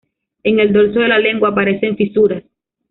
En el dorso de la lengua aparecen fisuras.